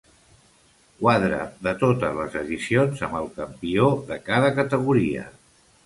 Quadre de totes les edicions amb el campió de cada categoria.